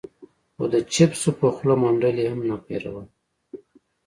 خو د چېپسو په خوله منډل يې هم نه هېرول.